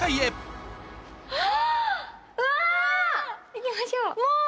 行きましょう。